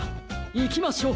いきましょう！